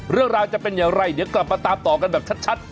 เรื่องราวจะเป็นอย่างไรเดี๋ยวกลับมาตามต่อกันแบบชัด